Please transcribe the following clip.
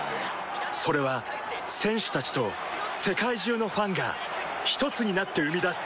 それは選手たちと世界中のファンがひとつになって生み出す